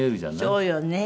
そうよね。